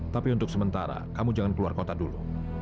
tapi untuk sementara kamu jangan keluar kota dulu